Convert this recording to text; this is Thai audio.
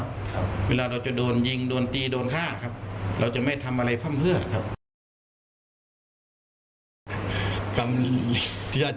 คมแล้วก็ไม่รู้ว่าเพราะอะไรเหมือนกันนะครับ